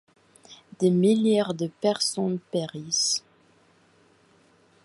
Des milliers de personnes périssent.